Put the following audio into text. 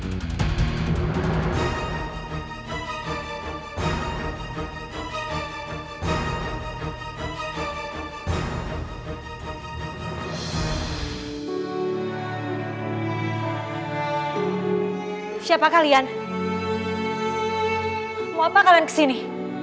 apa kalian kesini